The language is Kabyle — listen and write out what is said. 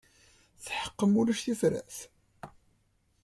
Tetḥeqqem ulac tifrat?